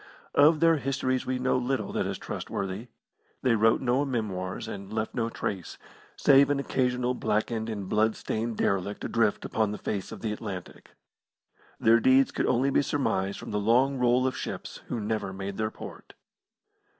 Of their histories we know little that is trustworthy. They wrote no memoirs and left no trace, save an occasional blackened and blood stained derelict adrift upon the face of the Atlantic. Their deeds could only be surmised from the long roll of ships who never made their port.